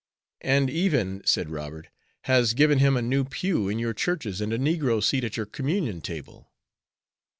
"And even," said Robert, "has given him a negro pew in your churches and a negro seat at your communion table."